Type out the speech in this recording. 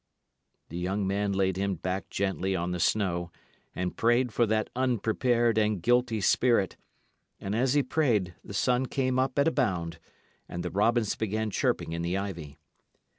The young man laid him back gently on the snow and prayed for that unprepared and guilty spirit, and as he prayed the sun came up at a bound, and the robins began chirping in the ivy.